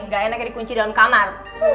gak enak jadi kunci dalam kamar